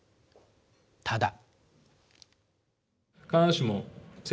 ただ。